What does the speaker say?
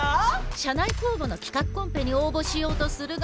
社内公募の企画コンペに応募しようとするが。